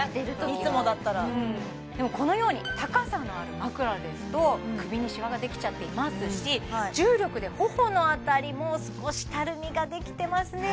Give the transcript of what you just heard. いつもだったらでもこのように高さのある枕ですと首にシワができちゃっていますし重力で頬の辺りも少したるみができてますね